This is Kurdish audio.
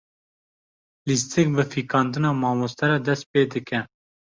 Lîstik bi fîkandina mamoste re dest pê dike.